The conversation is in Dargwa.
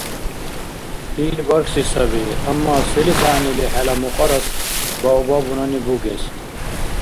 Ил бархьси саби, амма селис гӀягӀнили хӀела мукьарас баобабунани бугес.